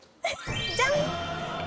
じゃん！